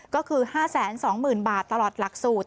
ก็คือ๕๒๐๐๐บาทตลอดหลักสูตร